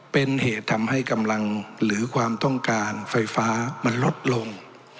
เป็นเหตุทำให้กำลังหรือความต้องการไฟฟ้ามันลดลง